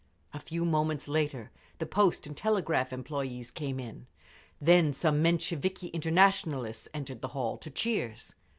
A few moments later the Post and Telegraph Employees came in; then some Mensheviki Internationalists entered the hall, to cheers.